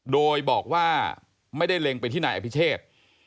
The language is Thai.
โดยบอกว่าไม่ได้เล็งไปที่นายอภิเชษ